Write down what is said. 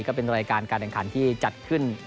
ก็เป็นรายการการแข่งขันที่จัดขึ้น